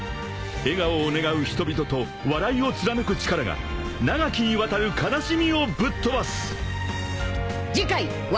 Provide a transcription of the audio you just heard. ［笑顔を願う人々と笑いを貫く力が長きにわたる悲しみをぶっ飛ばす］